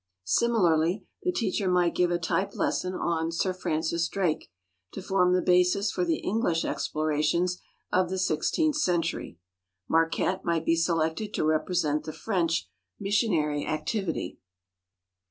Similarly the teacher might give a type lesson on Sir Francis Drake to form the basis for the English explorations of the sixteenth century. Marquette might be selected to represent the French missionary activity.